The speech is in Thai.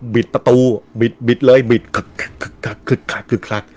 บิดตราตูบิดบิดเลยบิดคลักคลักคลักคลัก